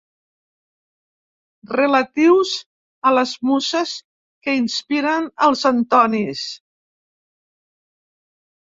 Relatius a les muses que inspiren els Antonis.